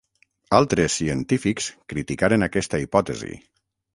Altres científics criticaren aquesta hipòtesi.